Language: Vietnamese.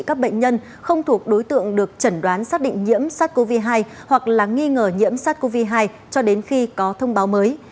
các bệnh nhân không thuộc đối tượng được chẩn đoán xác định nhiễm sars cov hai hoặc là nghi ngờ nhiễm sars cov hai cho đến khi có thông báo mới